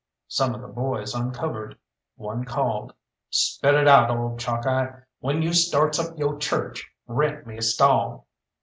Some of the boys uncovered, one called "Spit it out, ole Chalkeye! When you starts up yo' church, rent me a stall!"